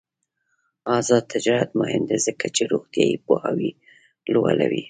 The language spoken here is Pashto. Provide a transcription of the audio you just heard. آزاد تجارت مهم دی ځکه چې روغتیايي پوهاوی لوړوي.